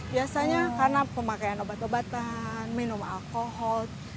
biasanya karena pemakaian obat obatan minum alkohol